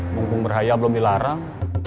bungkung berhaya belum dilarang